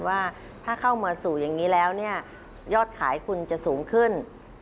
ว่าถ้าเข้ามาสู่อย่างนี้แล้วเนี่ยยอดขายคุณจะสูงขึ้น